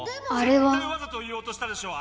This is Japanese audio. ぜったいわざと言おうとしたでしょ。